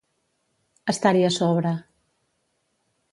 Estar-hi a sobre.